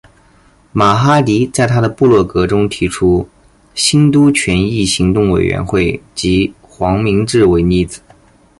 马哈迪在他的部落格中提出兴都权益行动委员会及黄明志为例子。